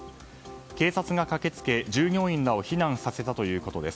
警察が駆けつけ、従業員らを避難させたということです。